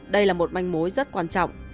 đây là một manh mối rất quan trọng